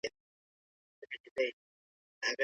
نړیواله ټولنه د ډیپلوماسۍ له لارې د نظم ساتلو هڅه کوي.